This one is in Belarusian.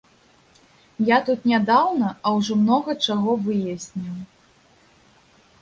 Я тут нядаўна, а ўжо многа чаго выясніў.